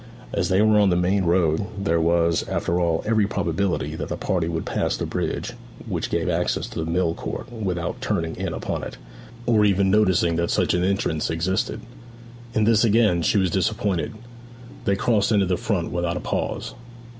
As they were on the main road there was, after all, every probability that the party would pass the bridge which gave access to the mill court without turning in upon it, or even noticing that such an entrance existed. In this again she was disappointed: they crossed into the front without a pause.